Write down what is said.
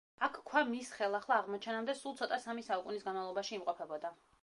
აქ ქვა მის ხელახლა აღმოჩენამდე, სულ ცოტა სამი საუკუნის განმავლობაში იმყოფებოდა.